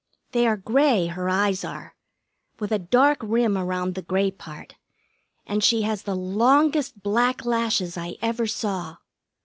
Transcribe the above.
They are gray, her eyes are, with a dark rim around the gray part; and she has the longest black lashes I ever saw.